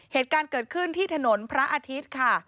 เหตุการณ์เกิดขึ้นที่ถนนพระอาทิตย์ค่ะ